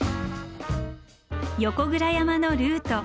横倉山のルート。